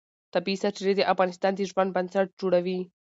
طبیعي سرچینې د انسان د ژوند بنسټ جوړوي